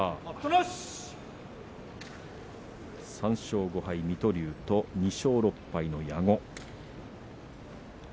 ３勝５敗水戸龍と２勝６敗の矢後。